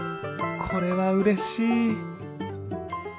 これはうれしい！